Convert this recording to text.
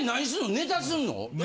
ネタすんの？